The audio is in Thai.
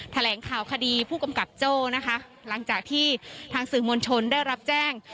แถลงข่าวคดีผู้กำกับโจ้นะคะหลังจากที่ทางสื่อมวลชนได้รับแจ้ง